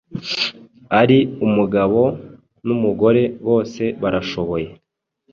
Ari umugabo n’umugore bose barashoboye